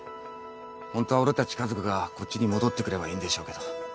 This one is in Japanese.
ホントは俺たち家族がこっちに戻ってくればいいんでしょうけど